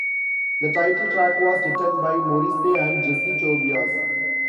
The title track was written by Morrissey and Jesse Tobias.